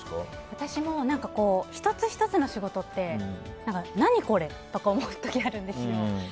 私も１つ１つの仕事って何これ？とか思う時があるんですよ。